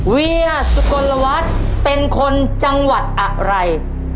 เวียสุกลวัฒน์เป็นคนจังหวัดอะไร